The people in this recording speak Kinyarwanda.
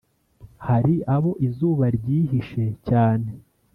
hari abo izuba ryihishe cyane,